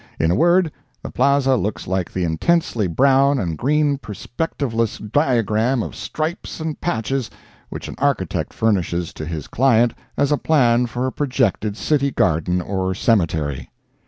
In a word, the Plaza looks like the intensely brown and green perspectiveless diagram of stripes and patches which an architect furnishes to his client as a plan for a projected city garden or cemetery.